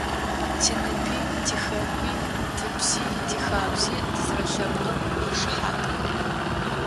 Тиныпи, тихэкуи, тыбзи, тихабзи тызэрэлъэпкъым ишыхьатых.